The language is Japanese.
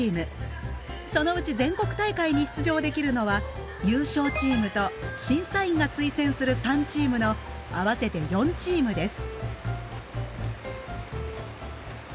そのうち全国大会に出場できるのは優勝チームと審査員が推薦する３チームの合わせて４チームです。